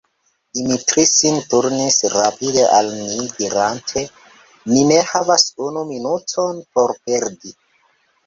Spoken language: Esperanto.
Dimitri sin turnis rapide al ni, dirante: Ni ne havas unu minuton por perdi.